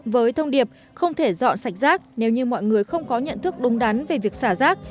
với thông điệp không thể dọn sạch rác nếu như mọi người không có nhận thức đúng đắn về việc xả rác